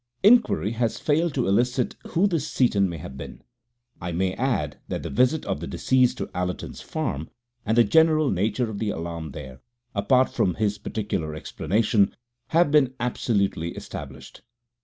Inquiry has failed to elicit who this Seaton may have been. I may add that the visit of the deceased to Allerton's Farm, and the general nature of the alarm there, apart from his particular explanation, have been absolutely established.